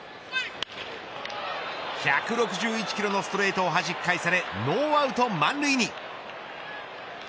１６１キロのストレートをはじき返されノーアウト満塁に。